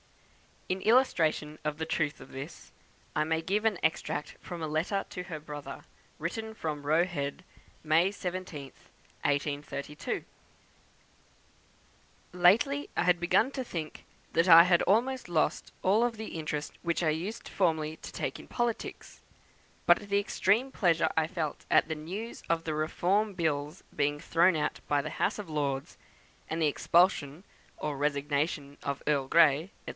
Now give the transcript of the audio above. In illustration of the truth of this, I may give an extract from a letter to her brother, written from Roe Head, May 17th, 1832: "Lately I had begun to think that I had lost all the interest which I used formerly to take in politics; but the extreme pleasure I felt at the news of the Reform Bill's being thrown out by the House of Lords, and of the expulsion, or resignation of Earl Grey, &c.